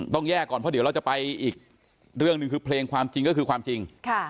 ต้องแยกก่อนเพราะเดี๋ยวเราจะไปอีกเรื่องหนึ่งคือเพลงความจริงก็คือความจริง